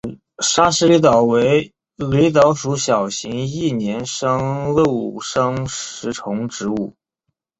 砂石狸藻为狸藻属小型一年生陆生食虫植物。